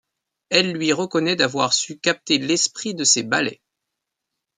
Elle lui reconnaît d'avoir su capté l'esprit de ses ballets.